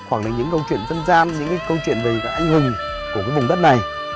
khoảng là những câu chuyện dân gian những cái câu chuyện về các anh hùng của cái vùng đất này